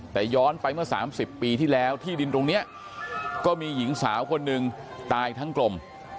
แต่ย้อนไปเมื่อ๓๐ปีที่แล้วที่ดินตรงนี้ก็มีหญิงสาวคนหนึ่งตายทั้งกลม